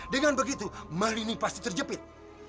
dengan begitu melini pasti terjepit